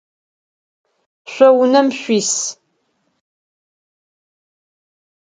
Шъо унэм шъуис?